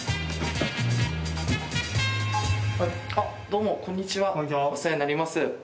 どうもこんにちはお世話になります。